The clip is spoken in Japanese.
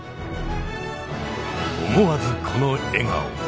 思わずこの笑顔。